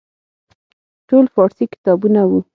ټول فارسي کتابونه وو.